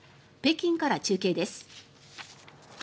北京から中継です。